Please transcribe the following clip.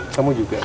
kamu juga berdiri